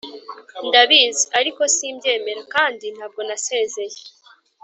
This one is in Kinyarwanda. ndabizi. ariko simbyemera. kandi ntabwo nasezeye.